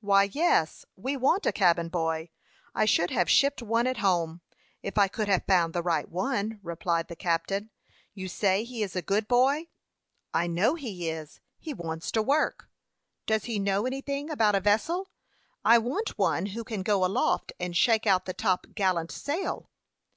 "Why, yes; we want a cabin boy. I should have shipped one at home, if I could have found the right one," replied the captain. "You say he is a good boy?" "I know he is. He wants to work." "Does he know anything about a vessel? I want one who can go aloft, and shake out the top gallant sail."